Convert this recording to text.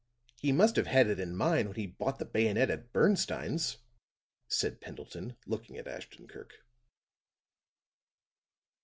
he must have had it in mind when he bought the bayonet at Bernstine's," said Pendleton, looking at Ashton Kirk.